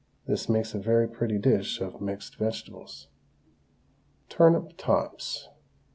This makes a very pretty dish of mixed vegetables. TURNIP TOPS.